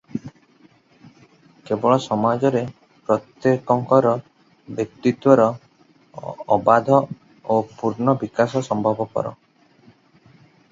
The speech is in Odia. କେବଳ ସମାଜରେ ପ୍ରତ୍ୟେକଙ୍କର ବ୍ୟକ୍ତିତ୍ୱର ଅବାଧ ଓ ପୂର୍ଣ୍ଣ ବିକାଶ ସମ୍ଭବପର ।